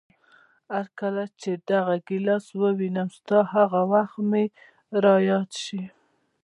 هرکله چې دغه ګیلاس ووینم، ستا هغه وخت مې را یاد شي.